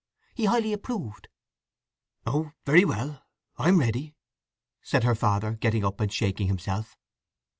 He highly approved." "Oh very well, I'm ready," said her father, getting up and shaking himself.